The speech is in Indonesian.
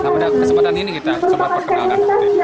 nah pada kesempatan ini kita coba perkenalkan